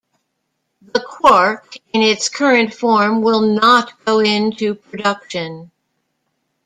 The Quark in its current form will not go into production.